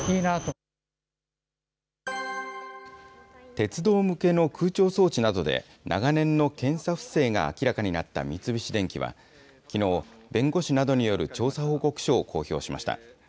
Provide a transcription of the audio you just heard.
鉄道向けの空調装置などで、長年の検査不正が明らかになった三菱電機は、きのう、弁護士などによる調査報告書を公表しました。